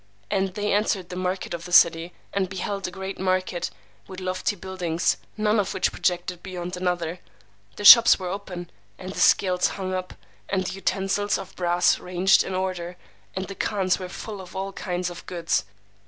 And they entered the market of the city, and beheld a great market, with lofty buildings, none of which projected beyond another: the shops were open, and the scales hung up, and the utensils of brass ranged in order, and the kháns were full of all kinds of goods.